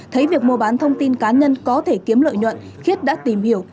thấy việc mua bán thông tin cá nhân có thể kiếm lợi nhuận khiết đã tìm hiểu